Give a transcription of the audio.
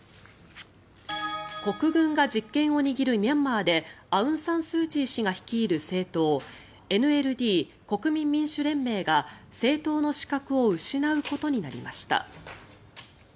国軍が実権を握るミャンマーでアウンサンスーチー氏が率いる政党ＮＬＤ・国民民主連盟が政党の資格を失うことになりました。